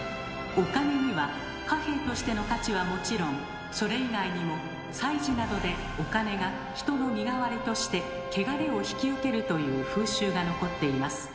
お金には貨幣としての価値はもちろんそれ以外にも祭事などでお金が人の身代わりとしてけがれを引き受けるという風習が残っています。